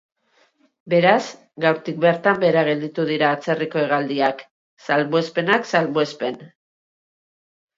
Beraz, gaurtik bertan behera gelditu dira atzerriko hegaldiak, salbuespenak salbuespen.